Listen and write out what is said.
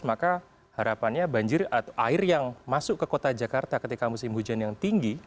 maka harapannya banjir atau air yang masuk ke kota jakarta ketika musim hujan yang tinggi